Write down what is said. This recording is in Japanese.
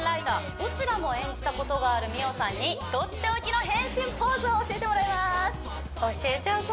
どちらも演じたことがある美桜さんにとっておきの変身ポーズを教えてもらいます教えちゃうぞ！